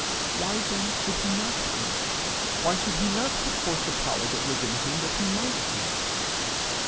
Why then should he not eat? Why should he not put forth the power that was in him that he might eat?